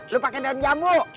lu pake daun jambu